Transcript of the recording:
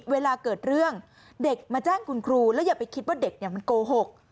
เวลาเกิดเรื่องเด็กมาแจ้งคุณครูแล้วอย่าไปคิดว่าเด็กมันโกหก